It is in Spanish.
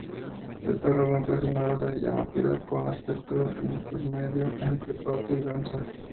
El tarro blanco es una ave llamativa con aspecto intermedio entre pato y ganso.